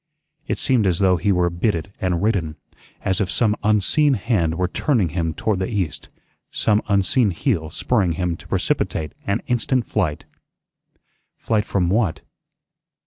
It seemed as though he were bitted and ridden; as if some unseen hand were turning him toward the east; some unseen heel spurring him to precipitate and instant flight. Flight from what?